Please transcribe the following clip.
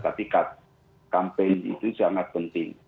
tapi campaign itu sangat penting